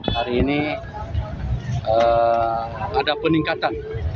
hari ini ada peningkatan